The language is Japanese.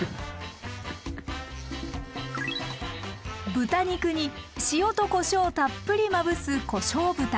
豚肉に塩とこしょうをたっぷりまぶす「こしょう豚」。